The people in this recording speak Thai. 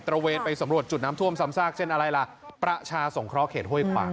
ระเวนไปสำรวจจุดน้ำท่วมซ้ำซากเส้นอะไรล่ะประชาสงเคราะหเขตห้วยขวาง